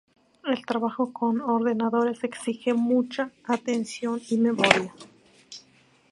El trabajo con ordenadores exige mucha atención y memoria.